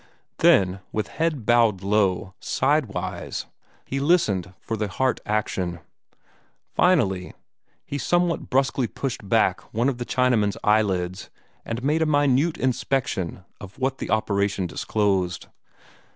Then, with head bowed low, side wise, he listened for the heart action. Finally, he somewhat brusquely pushed back one of the Chinaman's eyelids, and made a minute inspection of what the operation disclosed.